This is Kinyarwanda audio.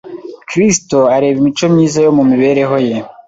Kristo areba imico myiza yo mu mibereho ye,